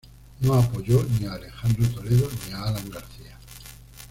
No apoyó ni a Alejandro Toledo ni a Alan García.